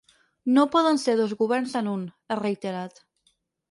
No poden ser dos governs en un, ha reiterat.